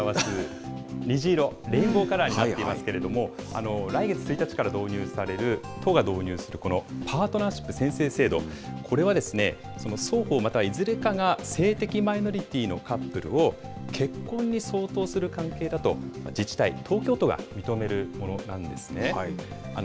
こちらも性の多様性を表す虹色、レインボーカラーになっていますけれども、来月１日から導入される、都が導入するこのパートナーシップ宣誓制度、これは、双方またはいずれかが性的マイノリティーのカップルを結婚に相当する関係だと、自治体、東京都が認めるものなんですね。